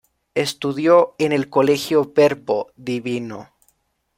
Estudio en el Colegio Verbo Divino.